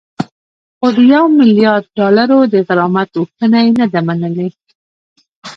خو د یو میلیارد ډالرو د غرامت غوښتنه یې نه ده منلې